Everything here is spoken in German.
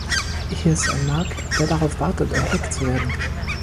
Hier ist ein Markt, der darauf wartet, entdeckt zu werden.